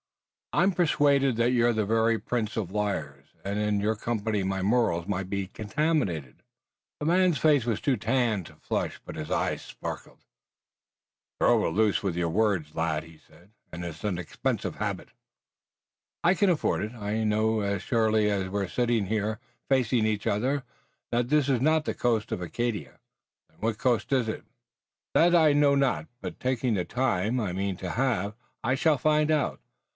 "I'm persuaded that you're the very prince of liars, and in your company my morals might be contaminated." The man's face was too tanned to flush, but his eyes sparkled. "You're over loose with words, lad," he said, "and it's an expensive habit." "I can afford it. I know as surely as we're sitting here facing each other that this is not the coast of Acadia." "Then what coast is it?" "That I know not, but taking the time, I mean to have, I shall find out.